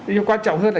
nhưng quan trọng hơn là